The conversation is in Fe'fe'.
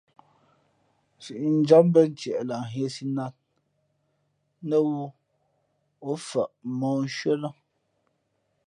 Sīnjǎm mbᾱ ntieʼ lah nhīēsī nát, nά wū ǒ fα̌ʼ mǒhnshʉ̄ᾱ lά.